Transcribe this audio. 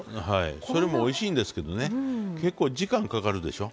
それもおいしいんですけどね結構時間かかるでしょ。